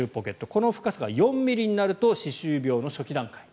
この深さが４ｍｍになると歯周病の初期段階。